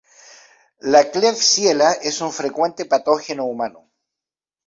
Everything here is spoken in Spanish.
La "klebsiella" es un frecuente patógeno humano.